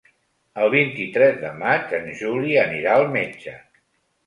El vint-i-tres de maig en Juli anirà al metge.